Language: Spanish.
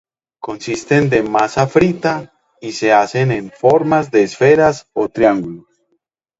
Consisten de masa frita, y se hacen en formas de esferas o triángulos.